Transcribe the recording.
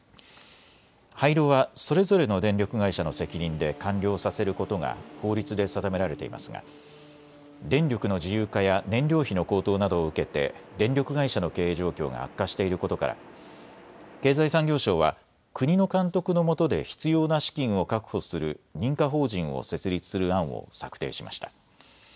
廃炉は、それぞれの電力会社の責任で完了させることが法律で定められていますが電力の自由化や燃料費の高騰などを受けて電力会社の経営状況が悪化していることから経済産業省は国の監督のもとで必要な資金を確保する認可法人を設立する案を策定しました。